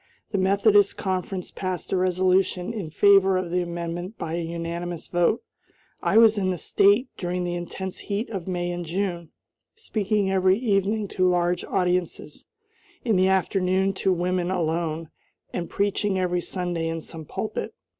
The Methodist conference passed a resolution in favor of the amendment by a unanimous vote. I was in the State during the intense heat of May and June, speaking every evening to large audiences; in the afternoon to women alone, and preaching every Sunday in some pulpit.